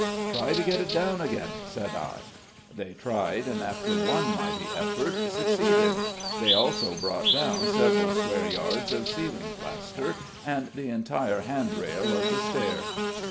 "Try to get it down again," said I. They tried, and, after one mighty effort, succeeded; they also brought down several square yards of ceiling plaster and the entire handrail of the stair.